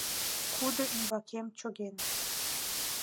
Кудо ӱмбакем чоген.